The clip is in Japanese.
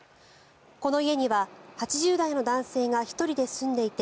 この家には８０代の男性が１人で住んでいて